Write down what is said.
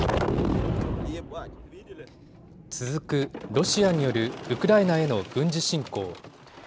続く、ロシアによるウクライナへの軍事侵攻。